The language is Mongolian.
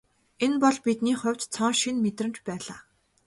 Энэ бол тэдний хувьд цоо шинэ мэдрэмж байлаа.